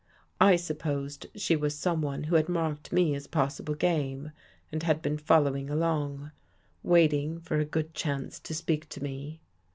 I sup posed she was someone who had marked me as pos sible game and had been following along, waiting for a good chance to speak to me.